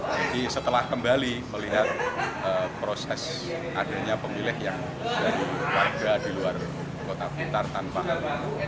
jadi setelah kembali melihat proses adanya pemilih yang dari warga di luar kota blitar tanpa hal